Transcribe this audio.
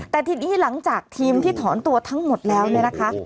แต่ทีนี้หลังจากทีมที่ถอนตัวทั้งหมดแล้วเนี่ยนะคะ